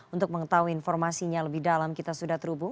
untuk mengetahui informasinya lebih dalam kita sudah terhubung